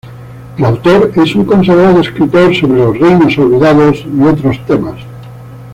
El autor es un consagrado escritor sobre los Reinos Olvidados y otros temas.